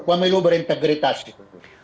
pemilu berintegritas gitu